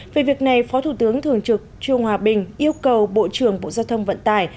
về việc này phó thủ tướng thường trực trương hòa bình yêu cầu bộ trưởng bộ giao thông vận tải